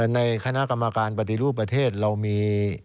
ในคณะกรรมการปฏิรูปประเทศเรามี